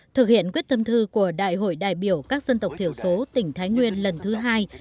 thực hiện quyết tâm thư của đại hội đại biểu các dân tộc thiểu số tỉnh thái nguyên lần thứ hai